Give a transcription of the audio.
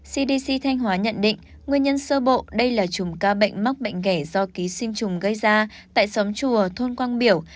cdc thanh hóa nhận định nguyên nhân sơ bộ đây là chùm ca bệnh mắc bệnh ghẻ do ký sinh trùng gây ra tại xóm chùa thôn quang biểu